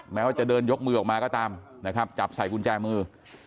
แม้ว่าจะเดินยกมือออกมาก็ตามนะครับจับใส่กุญแจมือ